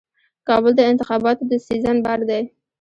کابل د انتخاباتو د سیزن بازار دی.